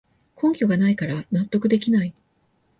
根拠がないから納得できない